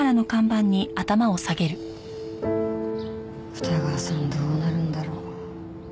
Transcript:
二川さんどうなるんだろう。